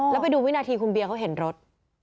แล้วไปดูวินาทีคุณเบียร์เขาเห็นรถ